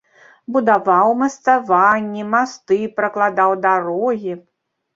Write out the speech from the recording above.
Будаваў умацаванні, масты, пракладаў дарогі.